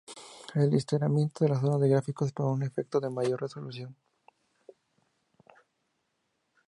El estiramiento de la zona de gráficos para un efecto de mayor resolución.